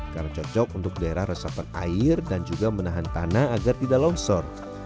karena cocok untuk daerah resapan air dan juga menahan tanah agar tidak losor